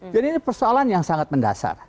jadi ini persoalan yang sangat mendasar